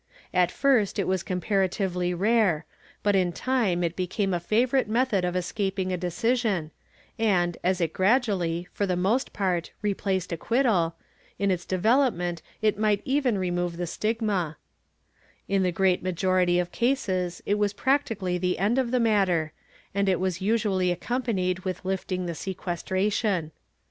At first it was comparatively rare, but in time it became a favorite method of escaping a decision and, as it gradually, for the most part, replaced acquittal, in its development it might even remove the stigma; in the great majority of cases it was practically the end of the matter, and it was usually accompanied with lifting the sequestration.